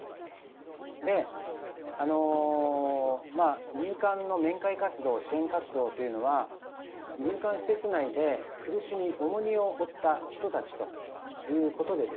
で入管の面会活動支援活動というのは入管施設内で苦しみ重荷を負った人たちということでですね